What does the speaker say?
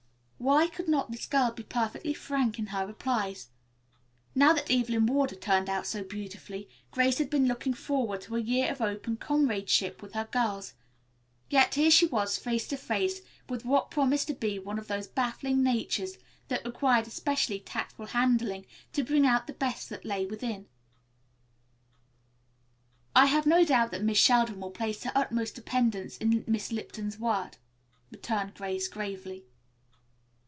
Why could not this girl be perfectly frank in her replies? Now that Evelyn Ward had turned out so beautifully, Grace had been looking forward to a year of open comradeship with her girls, yet here she was face to face with what promised to be one of those baffling natures that required especially tactful handling to bring out the best that lay within it. "I have no doubt that Miss Sheldon will place the utmost dependence in Miss Lipton's word," returned Grace gravely.